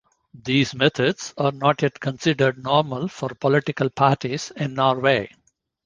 These methods are not yet considered normal for political parties in Norway.